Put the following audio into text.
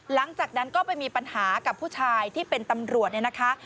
หลังจากนั้นก็ไปมีปัญหากับผู้ชายที่เป็นตำรวจเนี่ยนะคะ